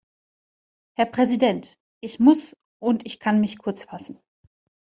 Herr Präsident! Ich muss und ich kann mich kurzfassen.